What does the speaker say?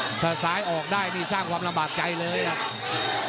นี่ท่านสายออกด้วยนี่สร้างความลำบากใจเลยนะ